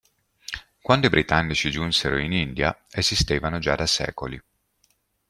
Quando i britannici giunsero in India, esistevano già da secoli.